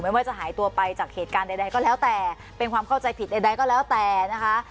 ว่าจะหายตัวไปจากเหตุการณ์ใดก็แล้วแต่เป็นความเข้าใจผิดใดก็แล้วแต่นะคะ